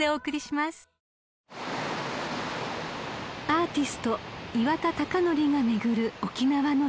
［アーティスト岩田剛典が巡る沖縄の旅］